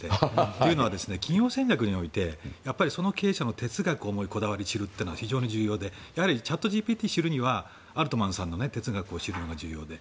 というのは企業戦略においてその経営者の哲学やこだわりを知るというのは非常に重要でしてチャットＧＰＴを知るにはアルトマンさんの哲学を知るのが重要で。